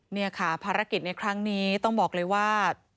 นี่ค่ะภารกิจในครั้งนี้ต้องบอกเลยว่า